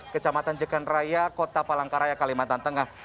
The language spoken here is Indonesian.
kecamatan jekan raya kota palangkaraya kalimantan tengah